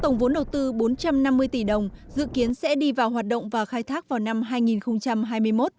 tổng vốn đầu tư bốn trăm năm mươi tỷ đồng dự kiến sẽ đi vào hoạt động và khai thác vào năm hai nghìn hai mươi một